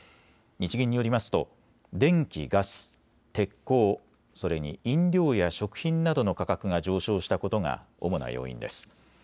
日銀によりますと電気・ガス、鉄鋼それに飲料や食品などの価格が上昇したことが主な要因です。